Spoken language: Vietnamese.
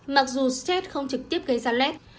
mặc dù stết không trực tiếp gây ra lết